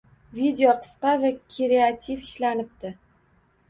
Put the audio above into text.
Video qisqa va kreativ ishlanibdi.